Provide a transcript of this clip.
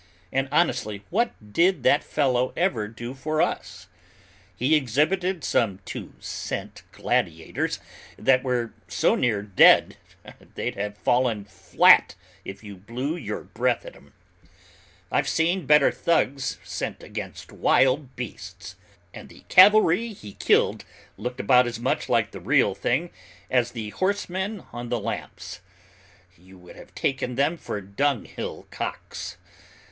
And honestly, what did that fellow ever do for us? He exhibited some two cent gladiators that were so near dead they'd have fallen flat if you blew your breath at them. I've seen better thugs sent against wild beasts! And the cavalry he killed looked about as much like the real thing as the horsemen on the lamps; you would have taken them for dunghill cocks!